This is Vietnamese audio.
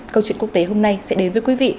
câu chuyện quốc tế hôm nay sẽ đến với quý vị